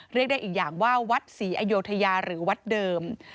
เรียกได้อีกอย่างว่าวัดศรีอยุธยาหรือวัดเดิม